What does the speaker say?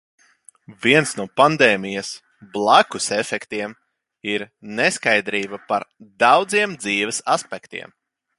Viens no pandēmijas "blakusefektiem" ir neskaidrība par daudziem dzīves aspektiem.